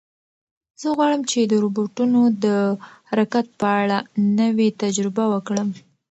زه غواړم چې د روبوټونو د حرکت په اړه نوې تجربه وکړم.